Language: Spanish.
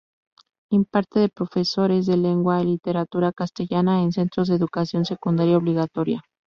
Imparte de profesora de lengua y literatura castellana en centros de educación secundaria obligatoria.